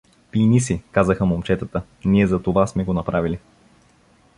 — Пийни си — казаха момчетата. — Ние за това сме го направили.